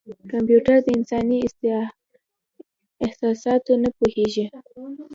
کمپیوټر د انساني احساساتو نه پوهېږي.